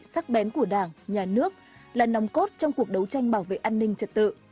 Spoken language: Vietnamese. sắc bén của đảng nhà nước là nòng cốt trong cuộc đấu tranh bảo vệ an ninh trật tự